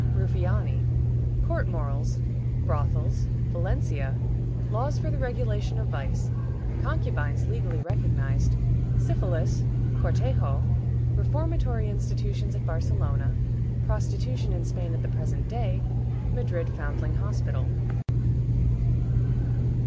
Ruffiani. Court Morals. Brothels. Valencia. Laws for the Regulation of Vice. Concubines legally recognized. Syphilis. Cortejo. Reformatory Institutions at Barcelona. Prostitution in Spain at the Present Day. Madrid Foundling Hospital.